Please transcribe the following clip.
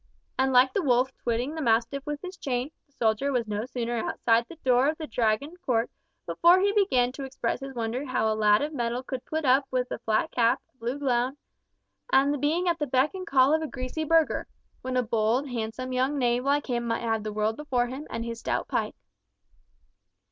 And like the wolf twitting the mastiff with his chain, the soldier was no sooner outside the door of the Dragon court before he began to express his wonder how a lad of mettle could put up with a flat cap, a blue gown, and the being at the beck and call of a greasy burgher, when a bold, handsome young knave like him might have the world before him and his stout pike.